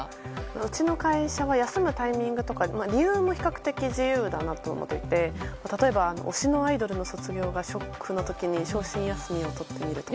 うちの会社は休むタイミングや理由も比較的自由だなと思っていて例えば推しのアイドルの卒業がショックな時に傷心休みを取ってみるとか。